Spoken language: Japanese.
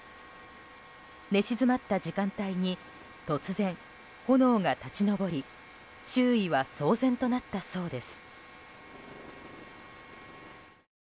寝静まった時間帯に突然、炎が立ち上り周囲は騒然となったそうです。